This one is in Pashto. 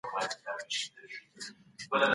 د سرمایې لاسته راوړل باید مشروع وي.